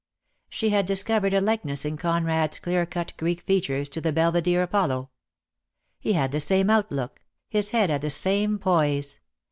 She had discovered a likeness in Conrad's clear cut Greek features to the Belvedere Apollo. He had the same outlook, his head had the same poise.